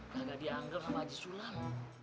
kagak dianggel sama haji sulam